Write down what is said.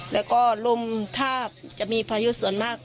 แล้วก็ลมถ้าจะมีพายุส่วนมาก